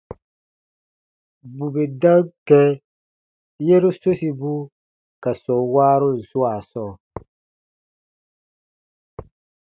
Bù bè dam kɛ̃ yɛ̃ru sosibu ka sɔm waarun swaa sɔɔ,